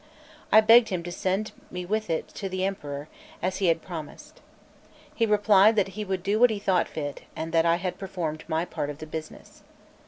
I begged him to send me with it to the Emperor, as he had promised. He replied that he would do what he thought fit, and that I had performed my part of the business.